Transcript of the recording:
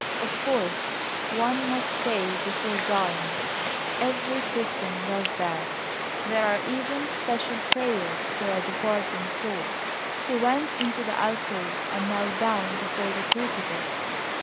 Of course, one must pray before dying; every Christian does that. There are even special prayers for a departing soul. He went into the alcove and knelt down before the crucifix.